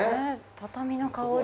畳の香り。